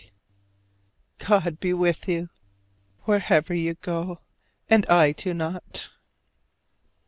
God be with you wherever you go and I do not!